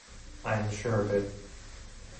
I am sure of it.